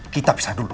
kita pisah dulu